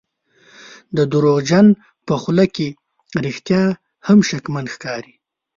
د دروغجن په خوله کې رښتیا هم شکمن ښکاري.